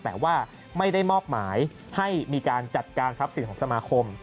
แต่ว่าไม่ได้มอบหมายให้มีการจัดการทรัพย์สินของสมาคม